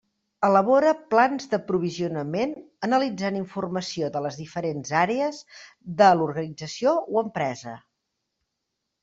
Elabora plans d'aprovisionament, analitzant informació de les diferents àrees de l'organització o empresa.